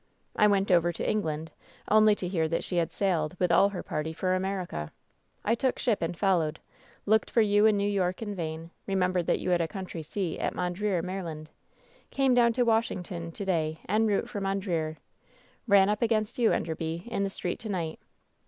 I went over to England, only to hear that she had sailed, with all her party, for America. I took ship and followed. Looked for you in New York in vain. Remembered that you had a country seat at Mondreer, Maryland. Came down to Washington toniay en route for Mondreer. Ran up against you, Enderby, in the street to night.'